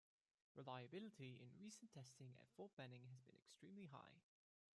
Reliability in recent testing at Fort Benning has been extremely high.